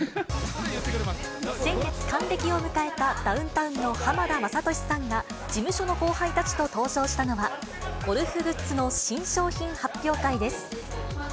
先月、還暦を迎えたダウンタウンの浜田雅功さんが、事務所の後輩たちと登場したのは、ゴルフグッズの新商品発表会です。